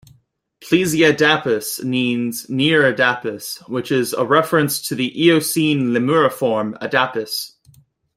"Plesiadapis" means "near-Adapis", which is a reference to the Eocene lemuriform, "Adapis".